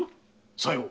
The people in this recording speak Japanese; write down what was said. さよう！